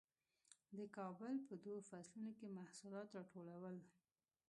د کال په دوو فصلونو کې محصولات راټولول.